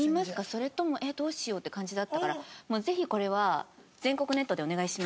それともえっどうしよう」って感じだったからぜひこれは全国ネットでお願いしますと。